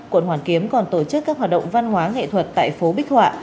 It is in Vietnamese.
quận hoàn kiếm còn tổ chức các hoạt động văn hóa nghệ thuật tại phố bích họa